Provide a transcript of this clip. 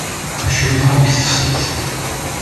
Acu yeḍran deg teftist?